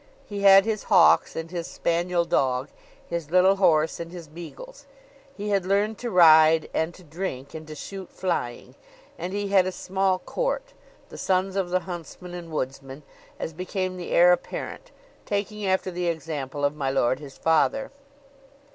He had his hawks and his spaniel dog, his little horse and his beagles. He had learned to ride, and to drink, and to shoot flying: and he had a small court, the sons of the huntsman and woodman, as became the heir apparent, taking after the example of my lord his father.